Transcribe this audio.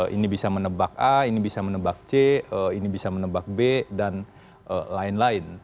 ini bisa menebak a ini bisa menebak c ini bisa menebak b dan lain lain